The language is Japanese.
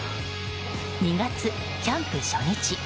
２月、キャンプ初日。